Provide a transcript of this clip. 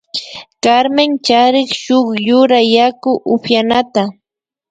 Carmen charin shuk yura yaku upyanata